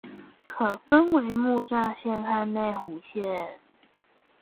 可分為木柵線和內湖線